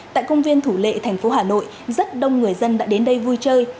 tại công viên thủ lệ thành phố hà nội rất đông người dân đã đến đây vui chơi